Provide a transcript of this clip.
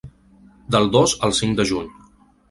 Del dos al cinc de juny.